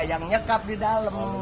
yang nyekap di dalam